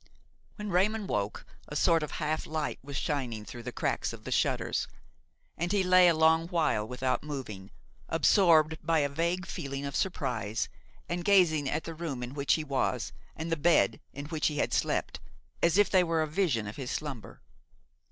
When Raymon woke, a sort of half light was shining through the cracks of the shutters, and he lay a long while without moving, absorbed by a vague feeling of surprise and gazing at the room in which he was and the bed in which he had slept, as if they were a vision of his slumber.